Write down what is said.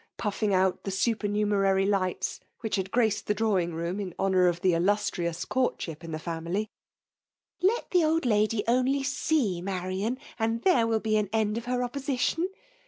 puffing out the supemumcraiy lights wiiich lud graced the draiving room in honour of the Uluatrioas courtship in the family, " let the old lady only ste Marian, and there will be an end of her opposition